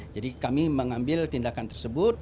jadi kami mengambil tindakan tersebut